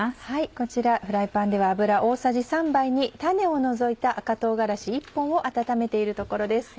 こちらフライパンでは油大さじ３杯に種を除いた赤唐辛子１本を温めているところです。